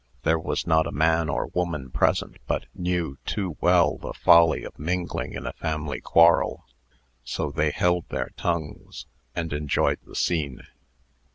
There was not a man or woman present but knew too well the folly of mingling in a family quarrel. So they held their tongues, and enjoyed the scene.